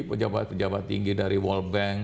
pejabat pejabat tinggi dari world bank